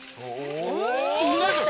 見ました？